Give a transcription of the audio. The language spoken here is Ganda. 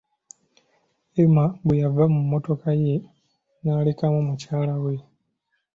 Emma bwe yava mu mmotoka n'alekamu mukyala we.